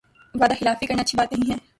وعدہ خلافی کرنا اچھی بات نہیں ہے